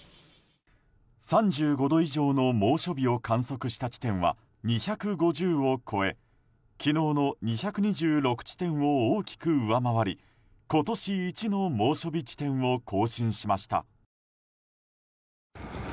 ３５度以上の猛暑日を観測した地点は２５０を超え昨日の２２６地点を大きく上回り今年一の猛暑日地点を更新しました。